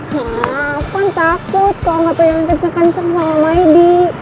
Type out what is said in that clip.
hah aku kan takut kalo gak tau yang kenceng kenceng sama maidy